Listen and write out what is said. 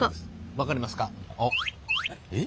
分かりますか？